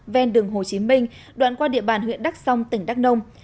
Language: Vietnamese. ven đường hồ chí minh đoạn qua địa bàn huyện đắk song tỉnh đắk nông